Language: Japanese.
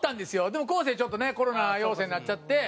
でも昴生ちょっとねコロナ陽性になっちゃって。